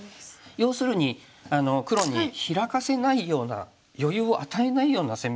要するに黒にヒラかせないような余裕を与えないような攻めをすると。